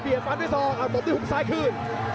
เบียดฟันด้วยซอกเอาตรงที่หุ้งซ้ายขึ้น